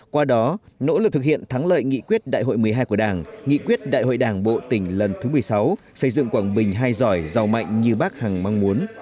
qua đó nỗ lực thực hiện thắng lợi nghị quyết đại hội một mươi hai của đảng nghị quyết đại hội đảng bộ tỉnh lần thứ một mươi sáu xây dựng quảng bình hai giỏi giàu mạnh như bác hẳng mong muốn